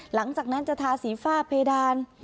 หลังจากนั้นจะทาสีฝ้าเพดาน